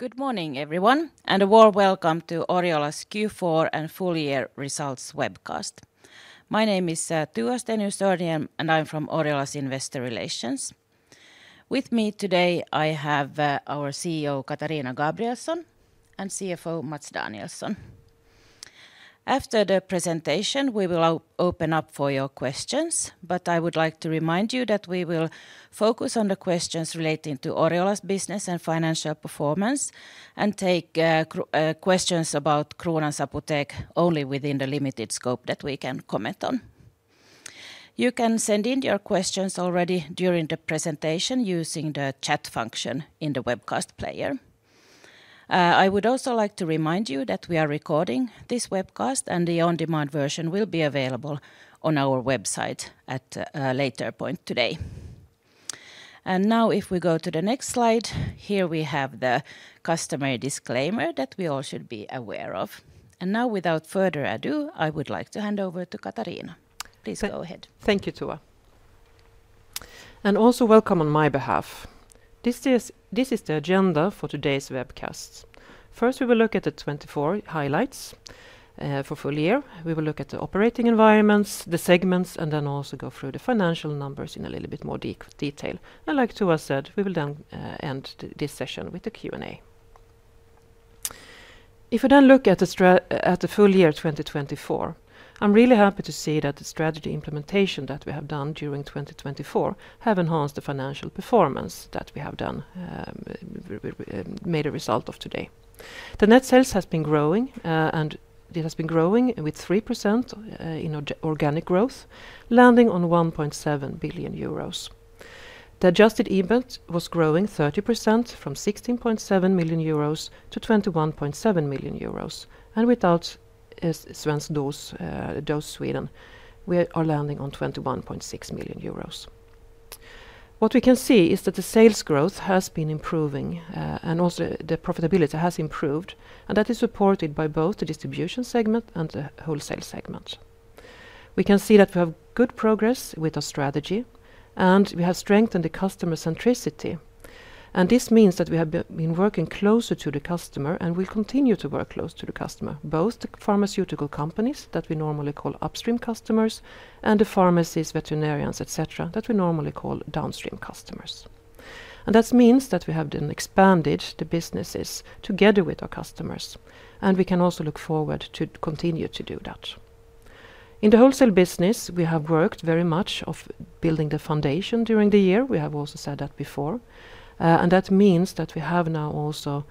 Good morning, everyone, and a warm welcome to Oriola's Q4 and full-year results webcast. My name is Tua Stenius-Örnhjelm, and I'm from Oriola's Investor Relations. With me today, I have our CEO, Katarina Gabrielson, and CFO, Mats Danielsson. After the presentation, we will open up for your questions, but I would like to remind you that we will focus on the questions relating to Oriola's business and financial performance and take questions about Kronans Apotek only within the limited scope that we can comment on. You can send in your questions already during the presentation using the chat function in the webcast player. I would also like to remind you that we are recording this webcast, and the on-demand version will be available on our website at a later point today. If we go to the next slide, here we have the customary disclaimer that we all should be aware of. Now, without further ado, I would like to hand over to Katarina. Please go ahead. Thank you, Tua. Also, welcome on my behalf. This is the agenda for today's webcast. First, we will look at the 2024 highlights for full year. We will look at the operating environments, the segments, and then also go through the financial numbers in a little bit more detail. Like Tua said, we will then end this session with the Q&A. If we then look at the full year 2024, I'm really happy to see that the strategy implementation that we have done during 2024 has enhanced the financial performance that we have made a result of today. The net sales has been growing, and it has been growing with 3% in organic growth, landing on 1.7 billion euros. The adjusted EBIT was growing 30% from 16.7 million euros to 21.7 million euros. Svensk Dos sweden, we are landing on 21.6 million euros. What we can see is that the sales growth has been improving, and also the profitability has improved, and that is supported by both the distribution segment and the wholesale segment. We can see that we have good progress with our strategy, and we have strengthened the customer centricity. This means that we have been working closer to the customer, and we'll continue to work close to the customer, both the pharmaceutical companies that we normally call upstream customers and the pharmacies, veterinarians, etc., that we normally call downstream customers. That means that we have then expanded the businesses together with our customers, and we can also look forward to continue to do that. In the wholesale business, we have worked very much on building the foundation during the year. We have also said that before. That means that we have now also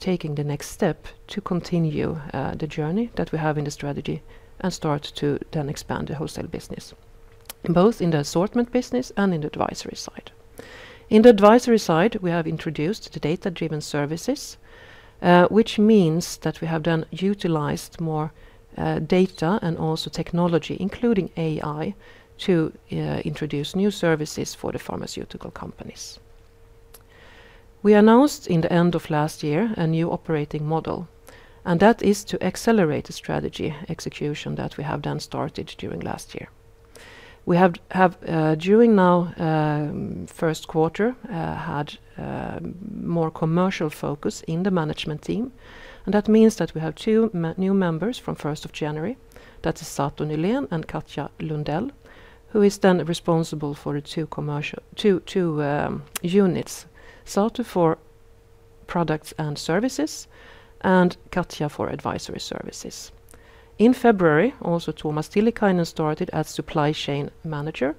taken the next step to continue the journey that we have in the strategy and start to then expand the wholesale business, both in the assortment business and in the advisory side. In the advisory side, we have introduced the data-driven services, which means that we have then utilized more data and also technology, including AI, to introduce new services for the pharmaceutical companies. We announced in the end of last year a new operating model, and that is to accelerate the strategy execution that we have then started during last year. We have, during now first quarter, had more commercial focus in the management team, and that means that we have two new members from 1st of January. That is Satu Nylén and Katja Lundell, who is then responsible for the two units, Satu for products and services and Katja for advisory services. In February, also Thomas Tiilikainen started as Supply Chain Director,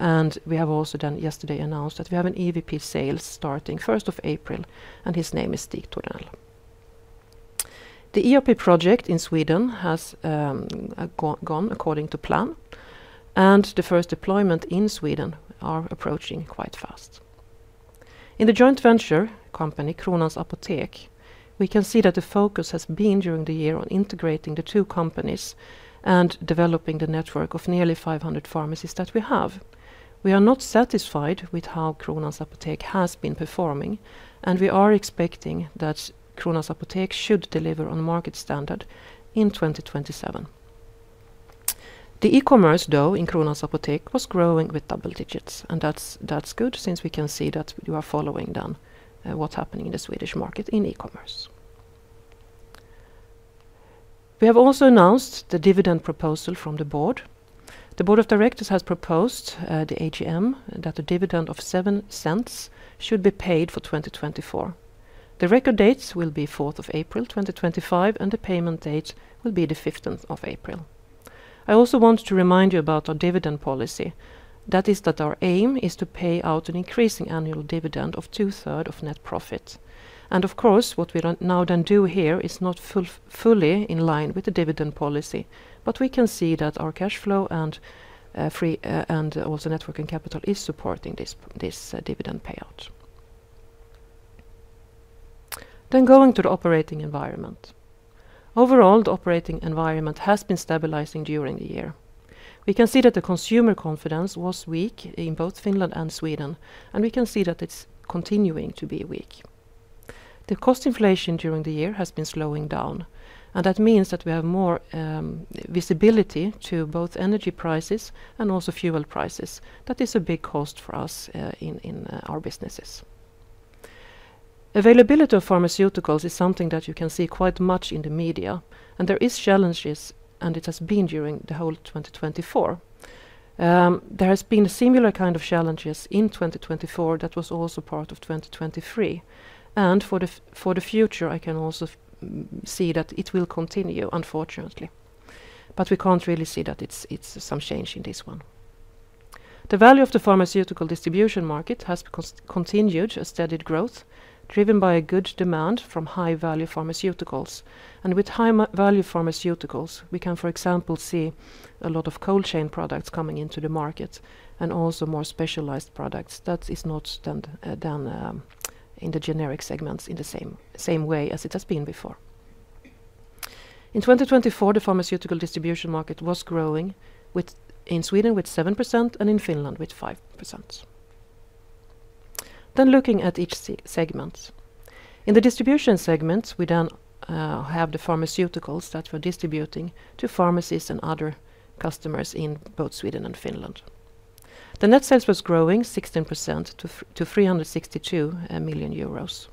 and we have also then yesterday announced that we have an EVP Sales starting 1st of April, and his name is Stig Tornell. The ERP project in Sweden has gone according to plan, and the first deployment in Sweden is approaching quite fast. In the joint venture company, Kronans Apotek, we can see that the focus has been during the year on integrating the two companies and developing the network of nearly 500 pharmacies that we have. We are not satisfied with how Kronans Apotek has been performing, and we are expecting that Kronans Apotek should deliver on market standard in 2027. The e-commerce, though, in Kronans Apotek was growing with double digits, and that's good since we can see that you are following then what's happening in the Swedish market in e-commerce. We have also announced the dividend proposal from the board. The board of directors has proposed the AGM that a dividend of 0.07 should be paid for 2024. The record dates will be 4th of April 2025, and the payment date will be the 15th of April. I also want to remind you about our dividend policy. That is that our aim is to pay out an increasing annual dividend of two-thirds of net profit. Of course, what we now then do here is not fully in line with the dividend policy, but we can see that our cash flow and also net working capital is supporting this dividend payout. Going to the operating environment. Overall, the operating environment has been stabilizing during the year. We can see that the consumer confidence was weak in both Finland and Sweden, and we can see that it's continuing to be weak. The cost inflation during the year has been slowing down, and that means that we have more visibility to both energy prices and also fuel prices. That is a big cost for us in our businesses. Availability of pharmaceuticals is something that you can see quite much in the media, and there are challenges, and it has been during the whole 2024. There have been similar kinds of challenges in 2024 that were also part of 2023. For the future, I can also see that it will continue, unfortunately. We can't really see that it's some change in this one. The value of the pharmaceutical distribution market has continued a steady growth, driven by good demand from high-value pharmaceuticals. With high-value pharmaceuticals, we can, for example, see a lot of cold-chain products coming into the market and also more specialized products that are not then in the generic segments in the same way as it has been before. In 2024, the pharmaceutical distribution market was growing in Sweden with 7% and in Finland with 5%. Looking at each segment, in the distribution segment, we then have the pharmaceuticals that we're distributing to pharmacies and other customers in both Sweden and Finland. The net sales was growing 16% to 362 million euros.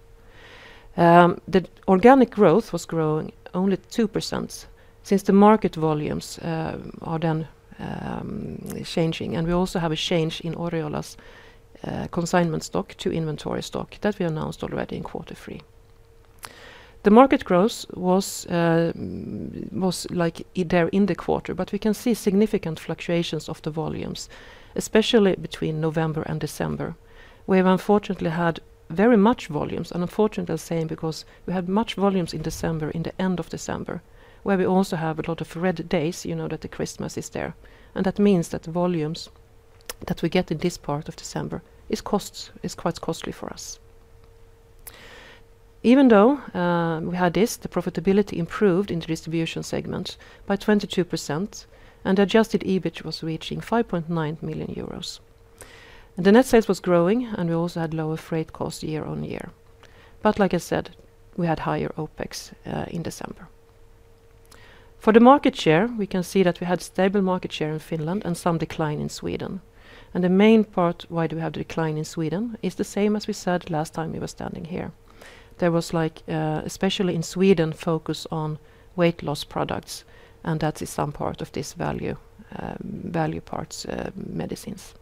The organic growth was growing only 2% since the market volumes are then changing, and we also have a change in Oriola's consignment stock to inventory stock that we announced already in quarter three. The market growth was like there in the quarter, but we can see significant fluctuations of the volumes, especially between November and December. We have unfortunately had very much volumes, and unfortunately I'm saying because we had much volumes in December, in the end of December, where we also have a lot of red days, you know, that the Christmas is there. That means that volumes that we get in this part of December is quite costly for us. Even though we had this, the profitability improved in the distribution segment by 22%, and the adjusted EBIT was reaching 5.9 million euros. The net sales was growing, and we also had lower freight costs year on year. Like I said, we had higher OpEx in December. For the market share, we can see that we had stable market share in Finland and some decline in Sweden. The main part why we have the decline in Sweden is the same as we said last time we were standing here. There was, like, especially in Sweden, focus on weight loss products, and that is some part of this value parts, medicines.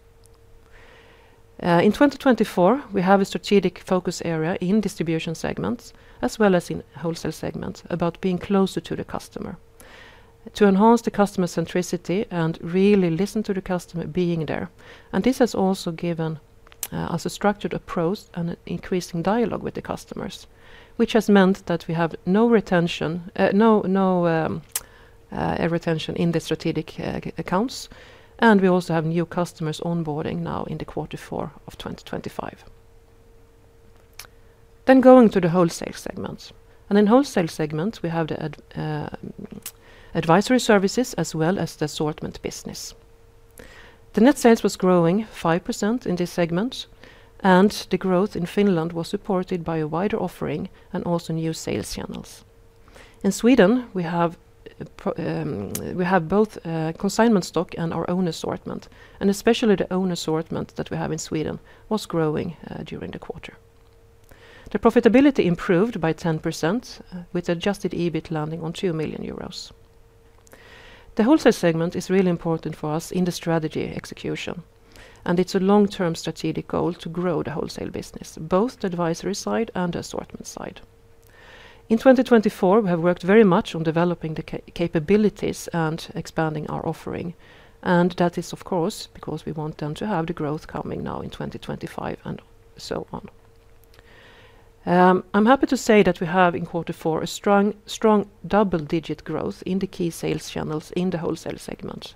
In 2024, we have a strategic focus area in distribution segments as well as in wholesale segments about being closer to the customer to enhance the customer centricity and really listen to the customer being there. This has also given us a structured approach and an increasing dialogue with the customers, which has meant that we have no retention in the strategic accounts, and we also have new customers onboarding now in the quarter four of 2025. Going to the wholesale segment. In wholesale segment, we have the advisory services as well as the assortment business. The net sales was growing 5% in this segment, and the growth in Finland was supported by a wider offering and also new sales channels. In Sweden, we have both consignment stock and our own assortment, and especially the own assortment that we have in Sweden was growing during the quarter. The profitability improved by 10% with adjusted EBIT landing on 2 million euros. The wholesale segment is really important for us in the strategy execution, and it's a long-term strategic goal to grow the wholesale business, both the advisory side and the assortment side. In 2024, we have worked very much on developing the capabilities and expanding our offering, and that is, of course, because we want them to have the growth coming now in 2025 and so on. I'm happy to say that we have in quarter four a strong double-digit growth in the key sales channels in the wholesale segment.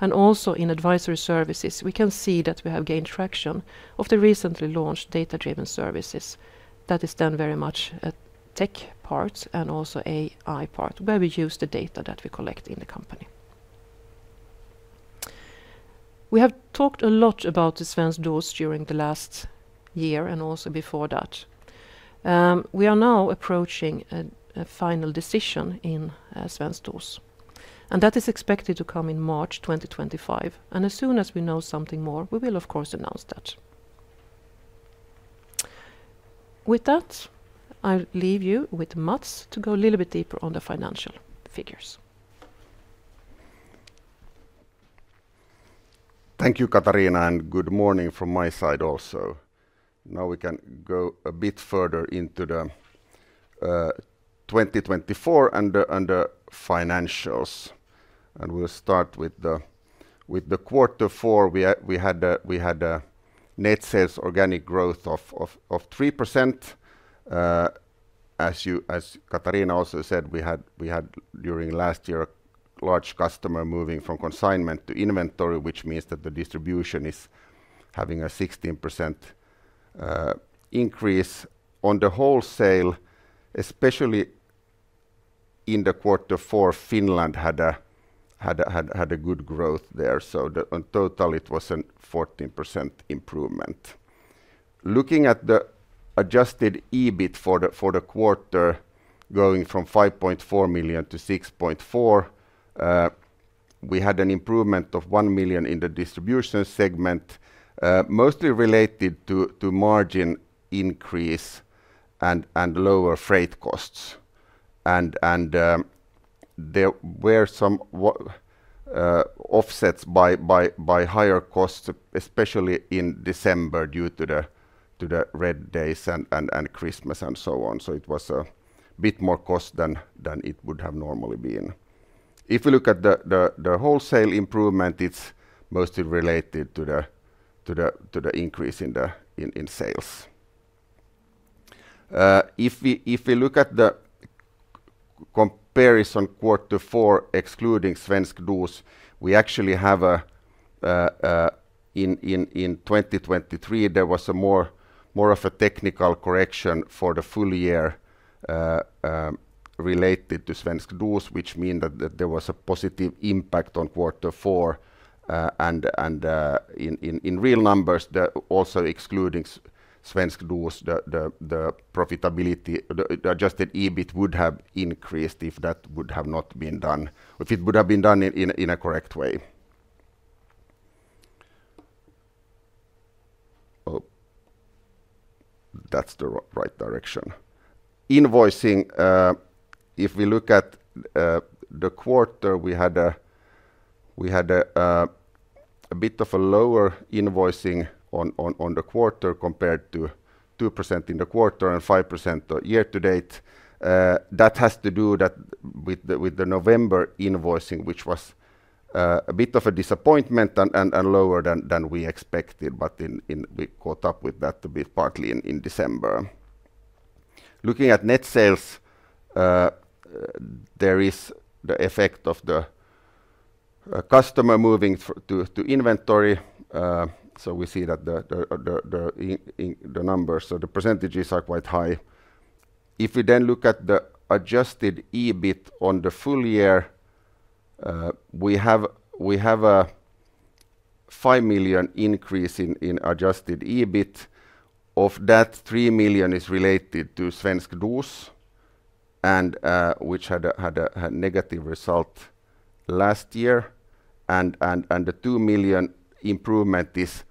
Also in advisory services, we can see that we have gained traction of the recently launched data-driven services that is done very much a tech part and also AI part, where we use the data that we collect in the company. We have talked a lot about Svensk Dos during the last year and also before that. We are now approaching a final decision Svensk Dos, and that is expected to come in March 2025. As soon as we know something more, we will, of course, announce that. With that, I leave you with Mats to go a little bit deeper on the financial figures. Thank you, Katarina, and good morning from my side also. Now we can go a bit further into the 2024 and the financials. We will start with the quarter four. We had a net sales organic growth of 3%. As Katarina also said, we had during last year a large customer moving from consignment to inventory, which means that the distribution is having a 16% increase. On the wholesale, especially in the quarter four, Finland had a good growth there. In total, it was a 14% improvement. Looking at the adjusted EBIT for the quarter going from 5.4 million to 6.4 million, we had an improvement of 1 million in the distribution segment, mostly related to margin increase and lower freight costs. There were some offsets by higher costs, especially in December due to the red days and Christmas and so on. It was a bit more cost than it would have normally been. If we look at the wholesale improvement, it's mostly related to the increase in sales. If we look at the comparison quarter four, Svensk Dos, we actually have a, in 2023, there was more of a technical correction for the full year related Svensk Dos, which means that there was a positive impact on quarter four. In real numbers, also Svensk Dos, the adjusted EBIT would have increased if that would have not been done, if it would have been done in a correct way. That's the right direction. Invoicing, if we look at the quarter, we had a bit of a lower invoicing on the quarter compared to 2% in the quarter and 5% year to date. That has to do with the November invoicing, which was a bit of a disappointment and lower than we expected, but we caught up with that a bit partly in December. Looking at net sales, there is the effect of the customer moving to inventory. We see that the numbers, so the percentages are quite high. If we then look at the adjusted EBIT on the full year, we have a 5 million increase in adjusted EBIT. Of that, 3 million is related Svensk Dos, which had a negative result last year. The 2 million improvement is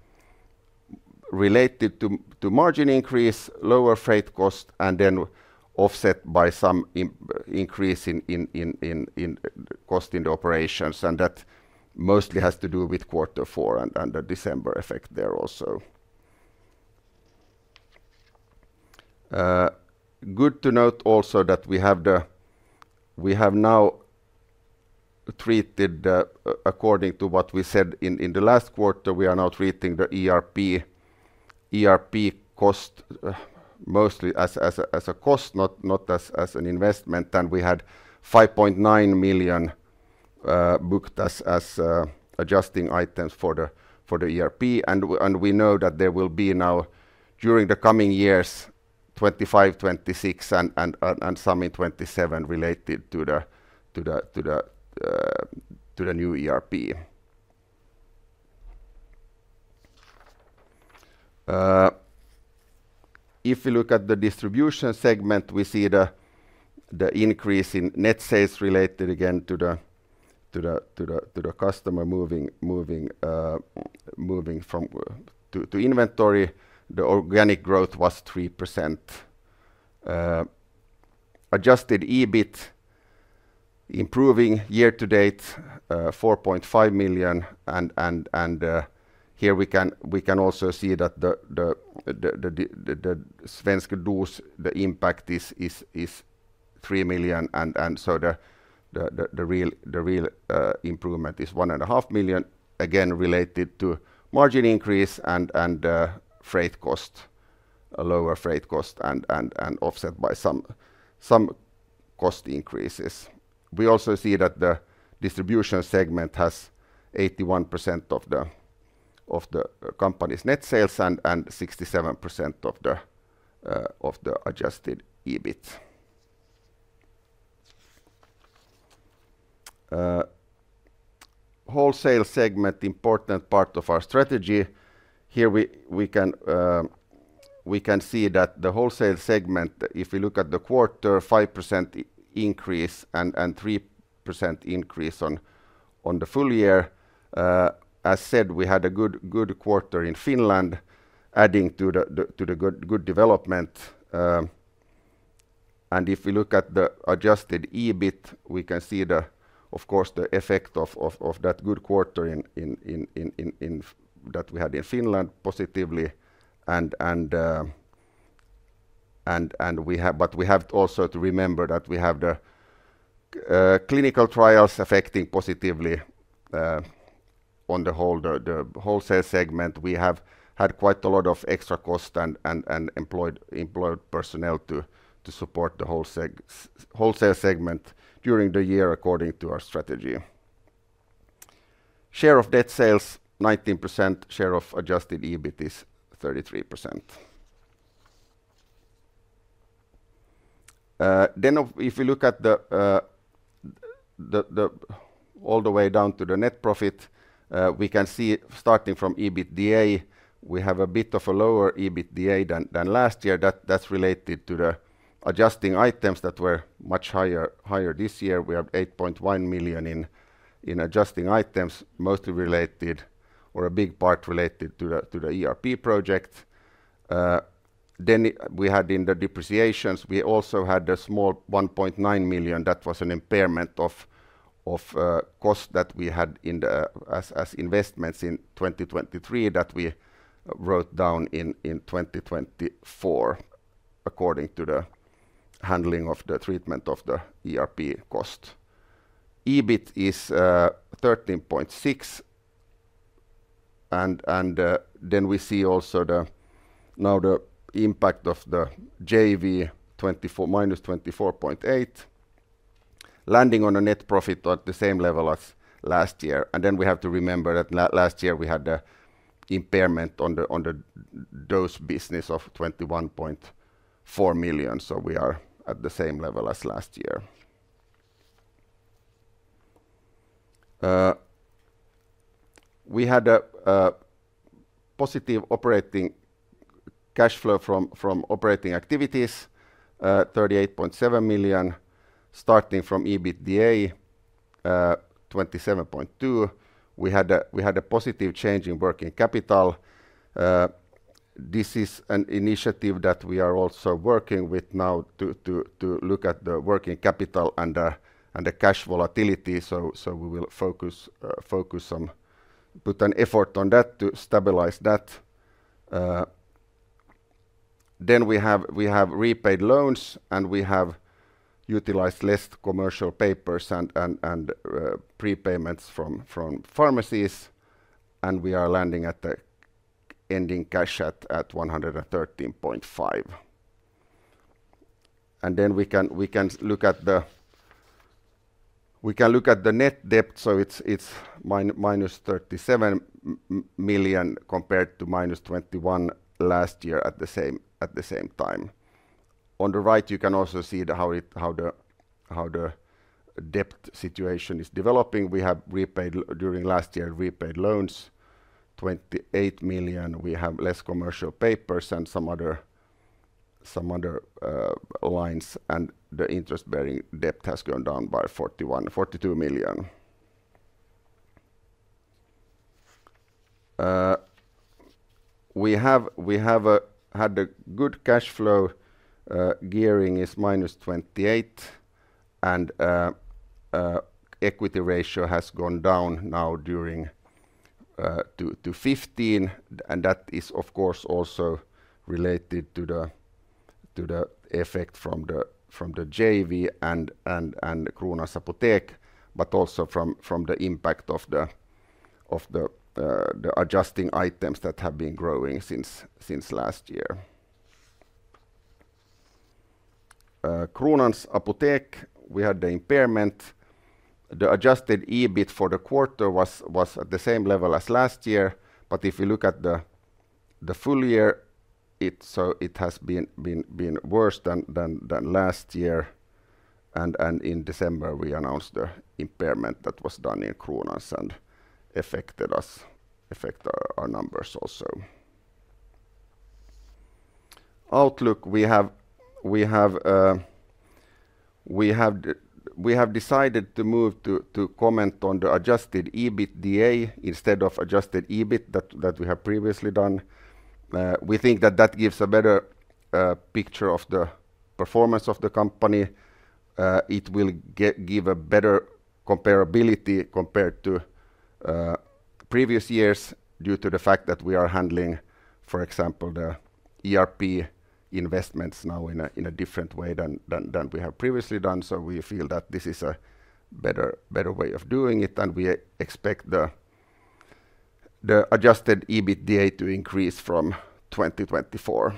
related to margin increase, lower freight cost, and then offset by some increase in cost in the operations. That mostly has to do with quarter four and the December effect there also. Good to note also that we have now treated, according to what we said in the last quarter, we are now treating the ERP cost mostly as a cost, not as an investment. We had 5.9 million booked as adjusting items for the ERP. We know that there will be now, during the coming years, 2025, 2026, and some in 2027 related to the new ERP. If we look at the distribution segment, we see the increase in net sales related again to the customer moving to inventory. The organic growth was 3%. Adjusted EBIT improving year to date, 4.5 million. Here we can also see that Svensk Dos impact is 3 million. The real improvement is 1.5 million, again related to margin increase and freight cost, lower freight cost, and offset by some cost increases. We also see that the distribution segment has 81% of the company's net sales and 67% of the adjusted EBIT. Wholesale segment, important part of our strategy. Here we can see that the wholesale segment, if we look at the quarter, 5% increase and 3% increase on the full year. As said, we had a good quarter in Finland, adding to the good development. If we look at the adjusted EBIT, we can see, of course, the effect of that good quarter that we had in Finland positively. We have also to remember that we have the clinical trials affecting positively on the wholesale segment. We have had quite a lot of extra cost and employed personnel to support the wholesale segment during the year, according to our strategy. Share of net sales, 19%. Share of adjusted EBIT is 33%. If we look all the way down to the net profit, we can see starting from EBITDA, we have a bit of a lower EBITDA than last year. That's related to the adjusting items that were much higher this year. We have 8.1 million in adjusting items, mostly related or a big part related to the ERP project. We had in the depreciations, we also had a small 1.9 million. That was an impairment of cost that we had as investments in 2023 that we wrote down in 2024, according to the handling of the treatment of the ERP cost. EBIT is 13.6 million. We see also now the impact of the JV minus 24.8 million, landing on a net profit at the same level as last year. We have to remember that last year we had the impairment on dose business of 21.4 million. We are at the same level as last year. We had a positive operating cash flow from operating activities, 38.7 million, starting from EBITDA, 27.2 million. We had a positive change in working capital. This is an initiative that we are also working with now to look at the working capital and the cash volatility. We will focus on, put an effort on that to stabilize that. We have repaid loans, and we have utilized less commercial papers and prepayments from pharmacies. We are landing at the ending cash at 113.5 million. We can look at the net debt. It is minus 37 million compared to minus 21 million last year at the same time. On the right, you can also see how the debt situation is developing. We have repaid during last year repaid loans, 28 million. We have less commercial papers and some other lines. The interest-bearing debt has gone down by 42 million. We have had a good cash flow. Gearing is -28%. Equity ratio has gone down now to 15%. That is, of course, also related to the effect from the JV and Kronans Apotek, but also from the impact of the adjusting items that have been growing since last year. Kronans Apotek, we had the impairment. The adjusted EBIT for the quarter was at the same level as last year. If we look at the full year, it has been worse than last year. In December, we announced the impairment that was done in Kronans and affected our numbers also. Outlook, we have decided to move to comment on the adjusted EBITDA instead of adjusted EBIT that we have previously done. We think that gives a better picture of the performance of the company. It will give a better comparability compared to previous years due to the fact that we are handling, for example, the ERP investments now in a different way than we have previously done. We feel that this is a better way of doing it. We expect the adjusted EBITDA to increase from 2024.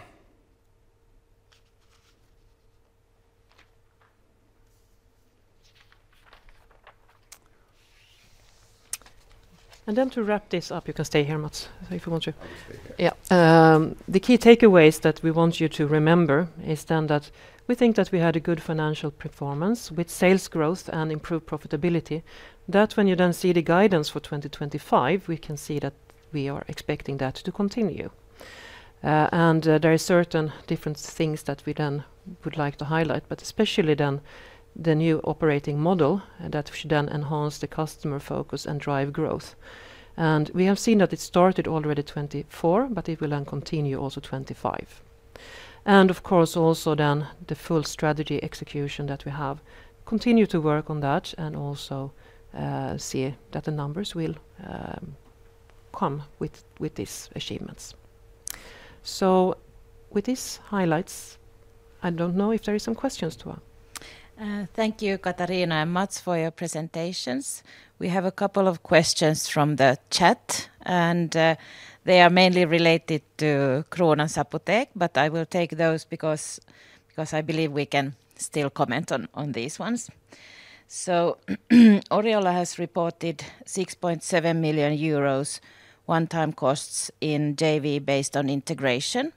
To wrap this up, you can stay here, Mats, if you want to. Yeah. The key takeaways that we want you to remember is that we think that we had a good financial performance with sales growth and improved profitability. When you see the guidance for 2025, we can see that we are expecting that to continue. There are certain different things that we would like to highlight, especially the new operating model that should enhance the customer focus and drive growth. We have seen that it started already in 2024, but it will continue also in 2025. Of course, also the full strategy execution that we have continued to work on and also see that the numbers will come with these achievements. With these highlights, I do not know if there are some questions too. Thank you, Katarina and Mats, for your presentations. We have a couple of questions from the chat, and they are mainly related to Kronans Apotek, but I will take those because I believe we can still comment on these ones. Oriola has reported 6.7 million euros one-time costs in JV based on integration.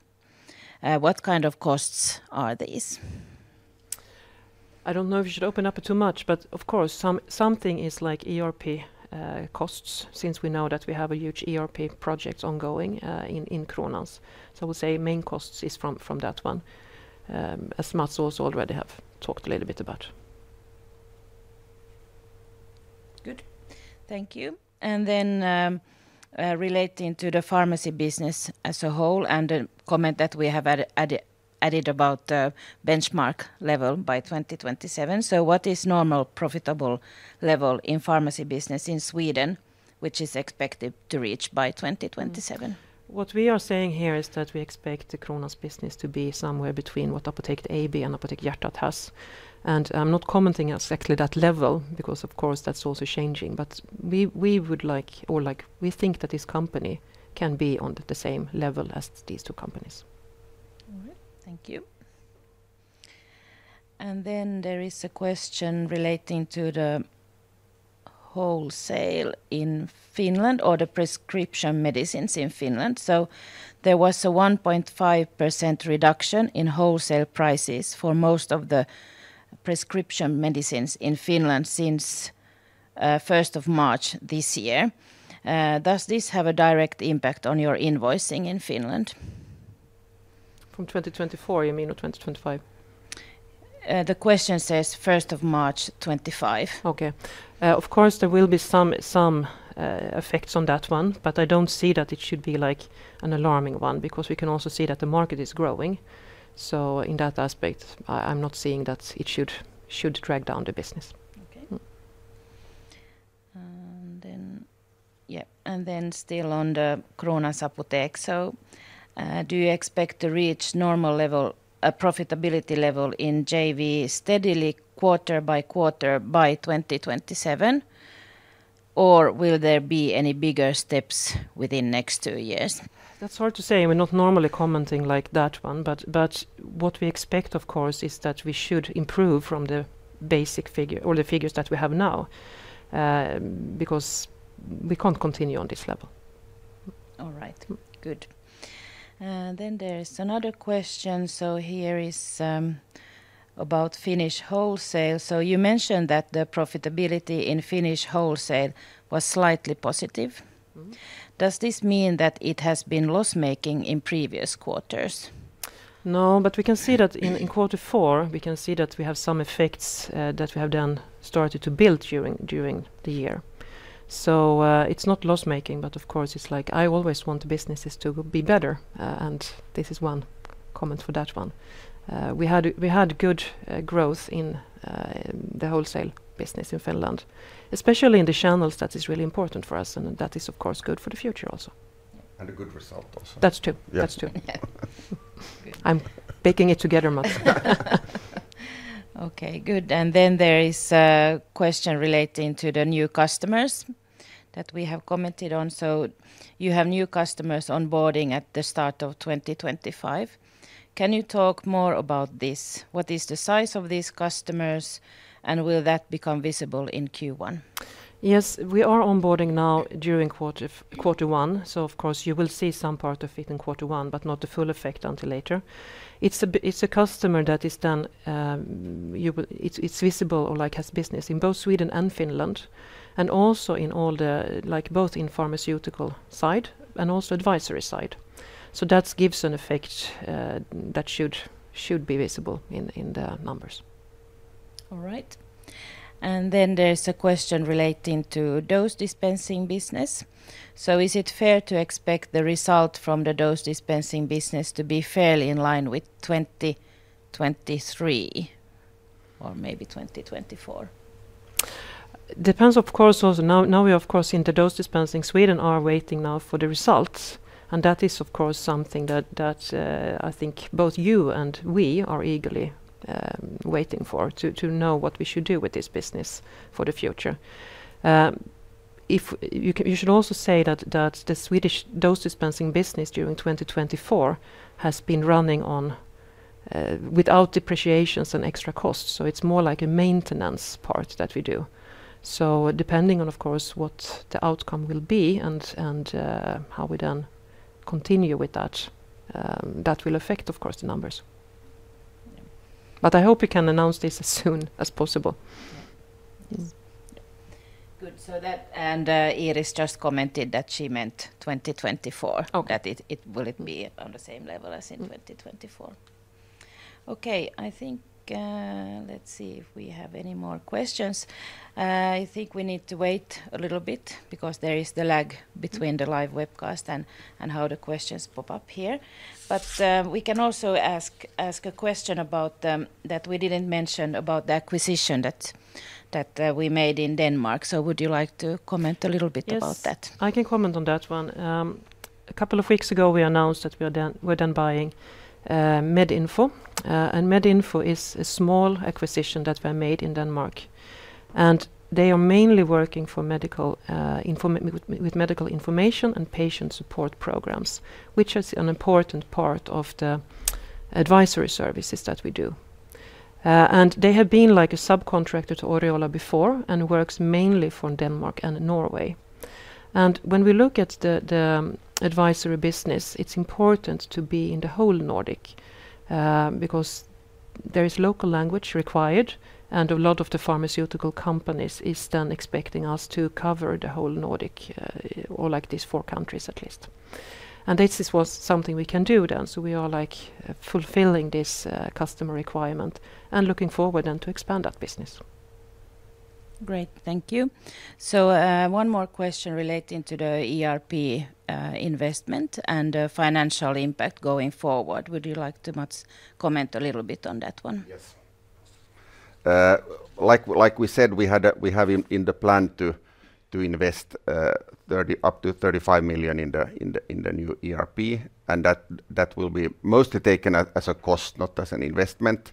What kind of costs are these? I don't know if you should open up too much, but of course, something is like ERP costs since we know that we have a huge ERP project ongoing in Kronans. I would say main costs is from that one, as Mats also already has talked a little bit about. Good. Thank you. Then relating to the pharmacy business as a whole and the comment that we have added about the benchmark level by 2027. What is normal profitable level in pharmacy business in Sweden, which is expected to reach by 2027? What we are saying here is that we expect the Kronans business to be somewhere between what Apotek AB and Apotek Hjärtat has. I'm not commenting exactly that level because, of course, that's also changing. We would like, or we think that this company can be on the same level as these two companies. All right. Thank you. There is a question relating to the wholesale in Finland or the prescription medicines in Finland. There was a 1.5% reduction in wholesale prices for most of the prescription medicines in Finland since 1st of March this year. Does this have a direct impact on your invoicing in Finland? From 2024, you mean, or 2025? The question says 1st of March 2025. Okay. Of course, there will be some effects on that one, but I don't see that it should be like an alarming one because we can also see that the market is growing. In that aspect, I'm not seeing that it should drag down the business. Okay. Yeah. And then still on the Kronans Apotek. Do you expect to reach normal profitability level in JV steadily quarter by quarter by 2027, or will there be any bigger steps within next two years? That's hard to say. We're not normally commenting like that one. What we expect, of course, is that we should improve from the basic figure or the figures that we have now because we can't continue on this level. All right. Good. There is another question. Here is about Finnish wholesale. You mentioned that the profitability in Finnish wholesale was slightly positive. Does this mean that it has been loss-making in previous quarters? No, but we can see that in quarter four, we can see that we have some effects that we have then started to build during the year. It is not loss-making, but of course, it is like I always want businesses to be better. This is one comment for that one. We had good growth in the wholesale business in Finland, especially in the channels that are really important for us. That is, of course, good for the future also. A good result also. That's true. That's true. I'm picking it together, Mats. Okay. Good. There is a question relating to the new customers that we have commented on. You have new customers onboarding at the start of 2025. Can you talk more about this? What is the size of these customers, and will that become visible in Q1? Yes. We are onboarding now during quarter one. Of course, you will see some part of it in quarter one, but not the full effect until later. It's a customer that is then visible or has business in both Sweden and Finland and also in both the pharmaceutical side and also advisory side. That gives an effect that should be visible in the numbers. All right. There is a question relating to dose dispensing business. Is it fair to expect the result from the dose dispensing business to be fairly in line with 2023 or maybe 2024? Depends, of course. Now, of course, in the dose dispensing Sweden, we are waiting now for the results. That is, of course, something that I think both you and we are eagerly waiting for to know what we should do with this business for the future. You should also say that the Swedish dose dispensing business during 2024 has been running without depreciations and extra costs. It is more like a maintenance part that we do. Depending on, of course, what the outcome will be and how we then continue with that, that will affect, of course, the numbers. I hope we can announce this as soon as possible. Good. Iris just commented that she meant 2024, that it will be on the same level as in 2024. Okay. I think let's see if we have any more questions. I think we need to wait a little bit because there is the lag between the live webcast and how the questions pop up here. We can also ask a question that we did not mention about the acquisition that we made in Denmark. Would you like to comment a little bit about that? Yes. I can comment on that one. A couple of weeks ago, we announced that we were then buying MedInfo. MedInfo is a small acquisition that we have made in Denmark. They are mainly working with medical information and patient support programs, which is an important part of the advisory services that we do. They have been like a subcontractor to Oriola before and work mainly from Denmark and Norway. When we look at the advisory business, it is important to be in the whole Nordic because there is local language required and a lot of the pharmaceutical companies are then expecting us to cover the whole Nordic or like these four countries at least. This was something we can do then. We are fulfilling this customer requirement and looking forward then to expand that business. Great. Thank you. One more question relating to the ERP investment and the financial impact going forward. Would you like to, Mats, comment a little bit on that one? Yes. Like we said, we have in the plan to invest up to 35 million in the new ERP. That will be mostly taken as a cost, not as an investment.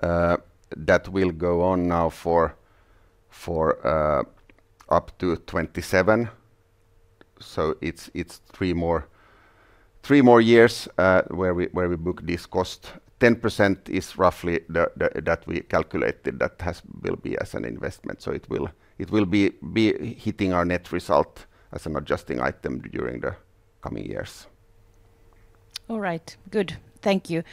That will go on now for up to 2027. It is three more years where we book this cost. 10% is roughly that we calculated that will be as an investment. It will be hitting our net result as an adjusting item during the coming years. All right. Good. Thank you.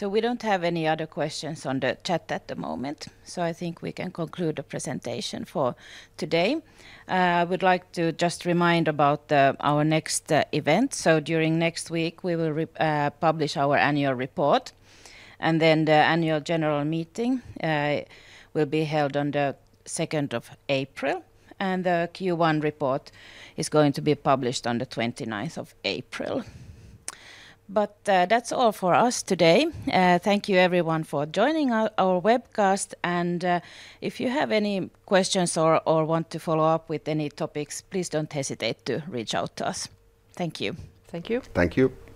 We do not have any other questions on the chat at the moment. I think we can conclude the presentation for today. I would like to just remind about our next event. During next week, we will publish our annual report. The annual general meeting will be held on the 2nd of April. The Q1 report is going to be published on the 29th of April. That is all for us today. Thank you, everyone, for joining our webcast. If you have any questions or want to follow up with any topics, please do not hesitate to reach out to us. Thank you. Thank you. Thank you.